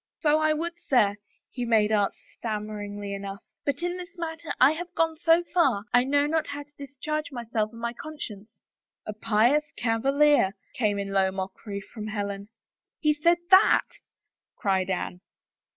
* So I would, sir,' he made answer stammeringly enough, * but ["^ in this matter I have gone so far I know not how to dis charge myself and my conscience.' "A pious cavalier I " came in low mockery from Helen. "He said thatr'' cried Anne.